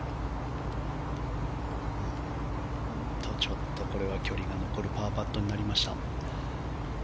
ちょっとこれは距離が残るパーパットになりました。